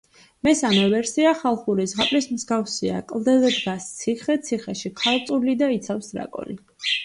მესამე ვერსია ხალხური ზღაპრის მსგავსია: კლდეზე დგას ციხე, ციხეში ქალწული და იცავს დრაკონი.